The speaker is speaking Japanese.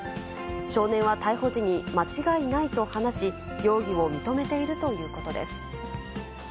少年は逮捕時に間違いないと話し、容疑を認めているということです。